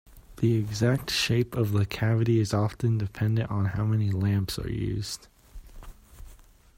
The exact shape of the cavity is often dependent on how many lamps are used.